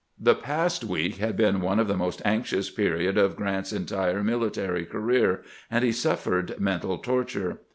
The past week had been the most anxious period of Grrant's entire military career, and he suffered mental torture.